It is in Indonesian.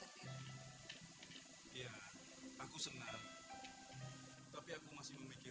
dalam akan mau akan bisa saja membantu mereka bagaimana caranya kamu kan punya uang banyak tidak perlu